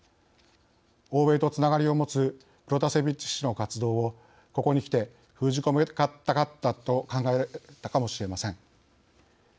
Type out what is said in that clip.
欧米とつながりを持つプロタセビッチ氏の活動をここにきて封じ込めたかったと考えたかもしれません。